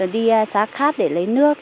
đi xã khác để lấy nước